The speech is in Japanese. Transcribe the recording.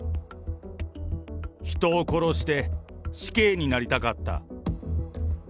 人を殺して死刑になりたかった。